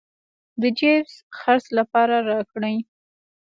د جېب خرڅ لپاره راكړې.